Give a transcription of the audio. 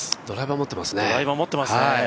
ドライバー持ってますね。